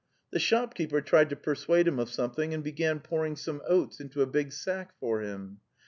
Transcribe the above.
The shopkeeper tried to persuade him of something and began pouring some oats into a big sack for him.